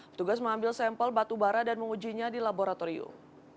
petugas mengambil sampel batubara dan mengujinya di laboratorium